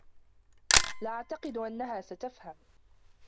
لا أعتقد أنها ستفهم.